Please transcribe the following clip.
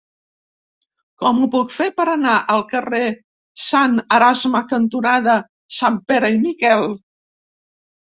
Com ho puc fer per anar al carrer Sant Erasme cantonada Sanpere i Miquel?